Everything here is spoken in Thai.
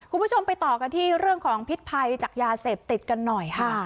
คุณผู้ชมไปต่อกันที่เรื่องของพิษภัยจากยาเสพติดกันหน่อยค่ะ